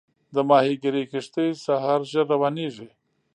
د ماهیګیري کښتۍ سهار زر روانېږي.